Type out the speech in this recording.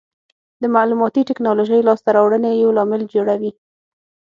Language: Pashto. د معلوماتي ټکنالوژۍ لاسته راوړنې یو لامل جوړوي.